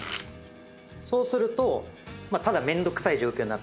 そうするとただめんどくさい状況になってる。